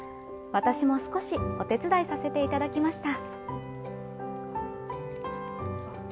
私も少しお手伝いさせていただきました。